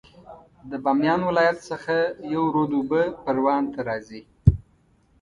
د بامیان ولایت څخه یو رود اوبه پروان ته راځي